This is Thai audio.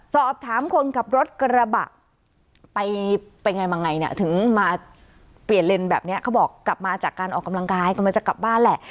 สอบถามคนขับรถกระบะไปเป็นไงมาไงเนี่ยถึงมาเปลี่ยนเลนส์แบบนี้เขาบอกกลับมาจากการออกกำลังกายกำลังจะกลับบ้านแหละ